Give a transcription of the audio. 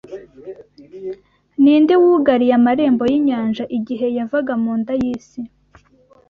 Ni nde wugariye amarembo y’inyanja, igihe yavaga mu nda y’isi